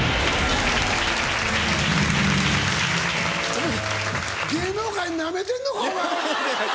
お前芸能界ナメてんのかお前！